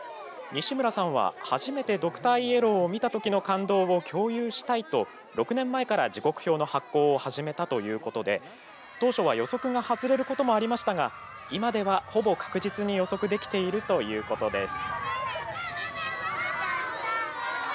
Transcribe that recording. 西村さんは、初めてドクターイエローを見たときの感動を共有したいと６年前から時刻表の発行を始めたということで当初は、予測が外れることもありましたが今では、ほぼ確実に予測できているということです。